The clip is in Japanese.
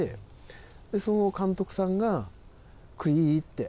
その監督さんが「クリ」って。